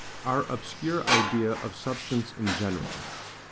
Our obscure Idea of Substance in general.